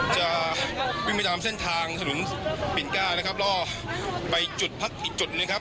จะลีงไปตามเส้นทางสนุนเปลี่ยนก้านะครับลองไปจุดพักอีกจุดหนึ่งครับ